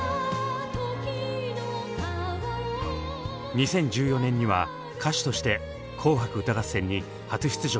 ２０１４年には歌手として「紅白歌合戦」に初出場。